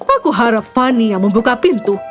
aku harap fani yang membuka pintu